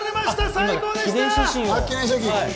最高でした！